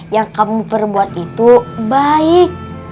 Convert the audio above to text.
yang kamu perbuat itu baik